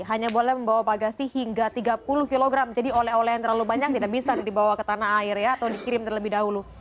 hanya boleh membawa bagasi hingga tiga puluh kg jadi oleh oleh yang terlalu banyak tidak bisa dibawa ke tanah air ya atau dikirim terlebih dahulu